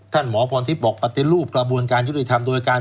ท่านมอพทิพธิบังบอกปฏิลูปกระบวนการยุติธรรม